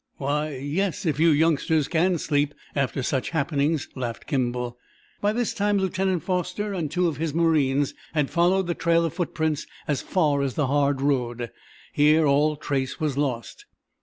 "Why, yes, if you youngsters can sleep, after such happenings," laughed Kimball. By this time Lieutenant Foster and two of his marines had followed the trail of footprints as far as the hard road. Here all trace was lost.